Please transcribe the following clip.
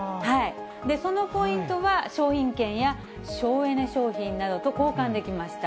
そのポイントは商品券や省エネ商品などと交換できました。